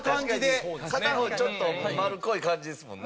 片方ちょっと丸っこい感じですもんね。